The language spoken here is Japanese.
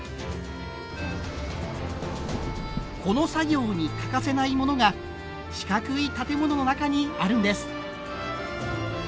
この作業に欠かせないものが四角い建物の中にあるんです。